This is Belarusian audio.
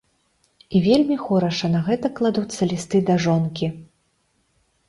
І вельмі хораша на гэта кладуцца лісты да жонкі.